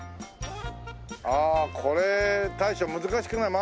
ああこれ大将難しくない？